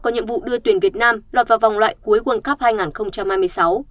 có nhiệm vụ đưa tuyển việt nam lọt vào vòng loại cuối quần cấp hai nghìn hai mươi sáu